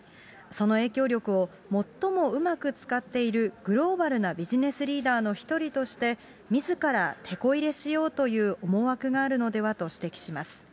その影響力を最もうまく使っている、グローバルなビジネスリーダーの一人として、みずからてこ入れしようという思惑があるのではと指摘します。